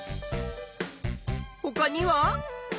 ほかには？